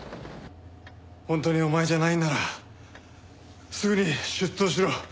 本当にお前じゃないんならすぐに出頭しろ。